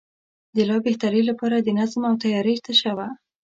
د لا بهترۍ لپاره د نظم او تیارۍ تشه وه.